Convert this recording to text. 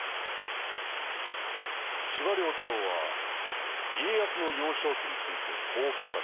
司馬太郎は家康の幼少期についてこう語る。